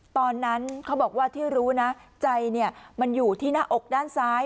ตอนนั้นเขาบอกว่าที่รู้นะใจมันอยู่ที่หน้าอกด้านซ้าย